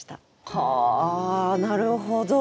はあなるほど。